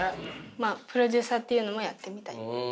まあプロデューサーというのもやってみたい。